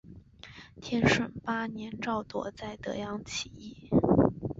天顺八年赵铎在德阳起义。